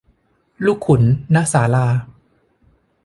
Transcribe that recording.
ลูกขุน ณ ศาลา